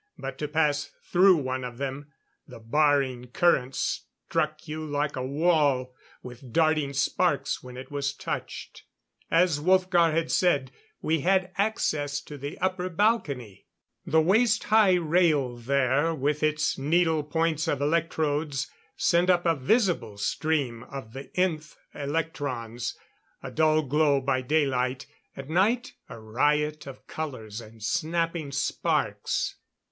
But to pass through one of them, the barring current struck you like a wall, with darting sparks when it was touched. As Wolfgar had said, we had access to the upper balcony; the waist high rail there, with its needle points of electrodes, sent up a visible stream of the Nth Electrons a dull glow by daylight; at night a riot of colors and snapping sparks.